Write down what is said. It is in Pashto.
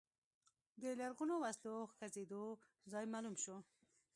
د لرغونو وسلو ښخېدو ځای معلوم شو.